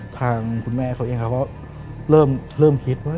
ทางคุณแม่เขาเองเขาก็เริ่มคิดว่า